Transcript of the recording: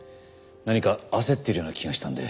何か焦ってるような気がしたので。